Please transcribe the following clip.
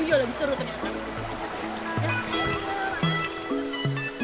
ini juga lebih seru ternyata